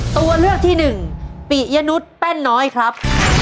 ตัวเลือกที่หนึ่งปิยนุษย์แป้นน้อยครับ